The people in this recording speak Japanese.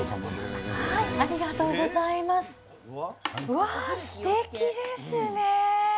うわすてきですね。